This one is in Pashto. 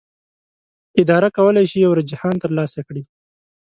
اداره کولی شي یو رجحان ترلاسه کړي.